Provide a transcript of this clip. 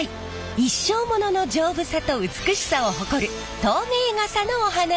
一生モノの丈夫さと美しさを誇る透明傘のお話！